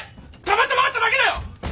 たまたま会っただけだよ！